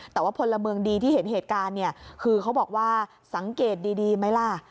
แต่ว่าพลเมืองดีที่เห็นเหตุการณ์เนี่ยคือเขาบอกว่าสังเกตดีไหมล่ะ